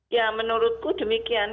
ya menurutku demikian